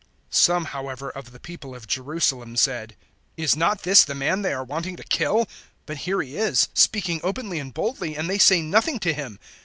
007:025 Some however of the people of Jerusalem said, "Is not this the man they are wanting to kill? 007:026 But here he is, speaking openly and boldly, and they say nothing to him!